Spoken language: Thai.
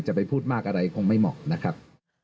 ไปพูดมากอะไรคงไม่เหมาะนะครับ